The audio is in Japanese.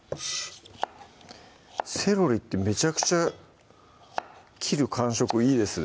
セロリってめちゃくちゃ切る感触いいですね